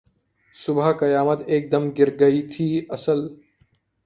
صبح قیامت ایک دم گرگ تھی اسدؔ